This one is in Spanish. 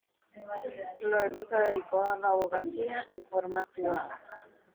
Luego se dedicó a la abogacía en forma privada.